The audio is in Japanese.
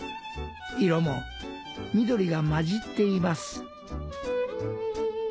色も緑が交じっています。